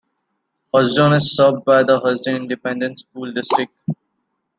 Hudson is served by the Hudson Independent School District.